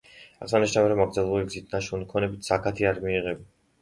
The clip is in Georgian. აღსანიშნავია, რომ აკრძალული გზით ნაშოვნი ქონებით ზაქათი არ მიიღება.